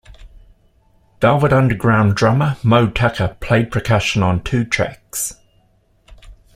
Velvet Underground drummer Moe Tucker played percussion on two tracks.